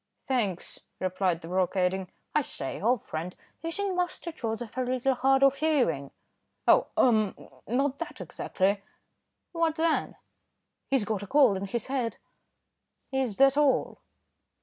"Thanks," replied the broker, adding, "I say, old friend isn't Master Joseph a little hard of hearing?" "Oh! ah! not that exactly." "What then?" "He's got a cold in his head." "Is that all?"